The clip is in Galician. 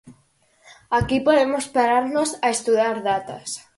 Aquí podemos pararnos a estudar datas.